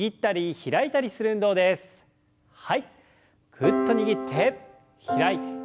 グッと握って開いて。